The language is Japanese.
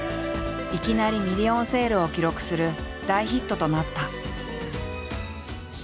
いきなりミリオンセールを記録する大ヒットとなった。